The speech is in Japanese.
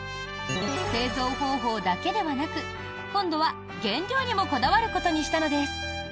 製造方法だけではなく今度は原料にもこだわることにしたのです。